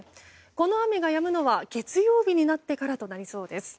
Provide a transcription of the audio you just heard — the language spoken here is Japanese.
この雨がやむのは月曜日になってからとなりそうです。